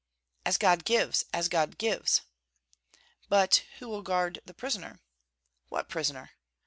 "As God gives, as God gives!" "But who will guard the prisoner?" "What prisoner?"